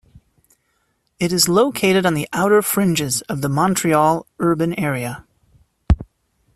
It is located on the outer fringes of the Montreal urban area.